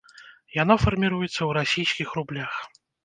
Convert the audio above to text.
Яно фарміруецца ў расійскіх рублях.